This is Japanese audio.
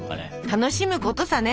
楽しむことさね